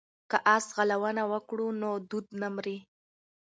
که اس ځغلونه وکړو نو دود نه مري.